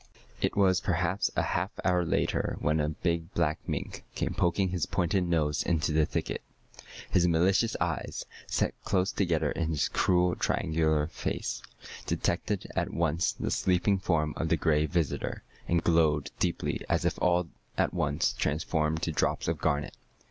It was perhaps a half hour later when a big black mink came poking his pointed nose into the thicket. His malicious eyes, set close together in his cruel, triangular face, detected at once the sleeping form of the Gray Visitor, and glowed deeply as if all at once transformed to drops of garnet.